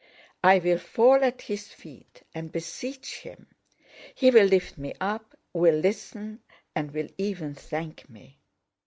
"I will fall at his feet and beseech him. He will lift me up, will listen, and will even thank me.